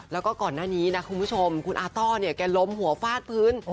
แล้วก็ก่อนหน้านี้นะคุณผู้ชมคุณอาต้อเนี่ยแกล้มหัวฟาดพื้น